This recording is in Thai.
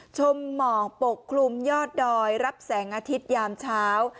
หมอกปกคลุมยอดดอยรับแสงอาทิตยามเช้า